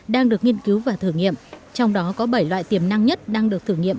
đang được nghiên cứu và thử nghiệm trong đó có bảy loại tiềm năng nhất đang được thử nghiệm